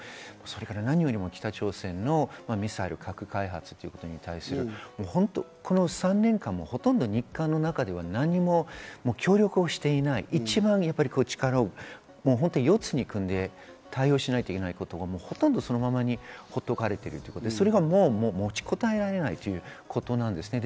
何よりも北朝鮮のミサイル・核開発ということに対するこの３年間、ほとんど日韓の中では何も協力をしていない、一番力を４つに組んで対応しないといけないことが、ほとんどそのままにほっとかれていて、持ちこたえられないということなんです。